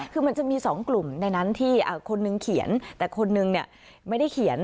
คือมันจะมี๒กลุ่มในนั้นที่คนนึงเขียนแต่คนนึงไม่ได้เขียน